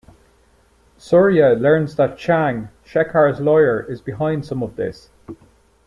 Surya learns that Chang, Shekhar's lawyer, is behind some of this.